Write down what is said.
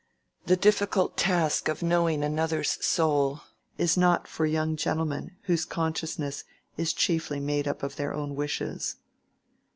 The difficult task of knowing another soul is not for young gentlemen whose consciousness is chiefly made up of their own wishes.